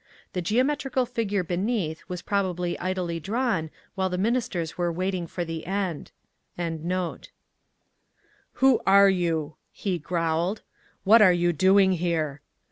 The geometrical figure beneath was probably idly drawn while the Ministers were waiting for the end. "Who are you?" he growled. "What are you doing here?"